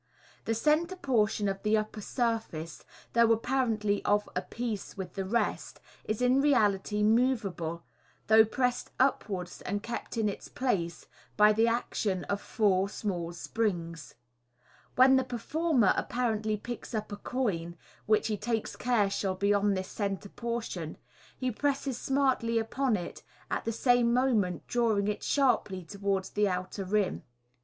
The centre portion of the upper surface, though apparently of a piece with the rest, is in reality moveable, though pressed upwards and kept in its place by the action of four small springs. When the performer apparently picks up a coin (which he takes care shall be on this centre portion), he presses smartly upon it, at the same moment draw ing it sharply towards the outer rim.